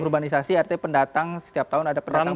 urbanisasi artinya pendatang setiap tahun ada pendatang